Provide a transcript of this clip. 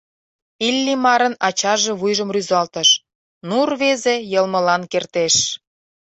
Иллимарын ачаже вуйжым рӱзалтыш: ну, рвезе йылмылан кертеш!